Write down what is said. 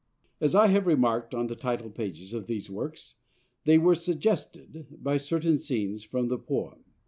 As I have remarked on the title pages of these works, they were suggested by certain scenes from the poem.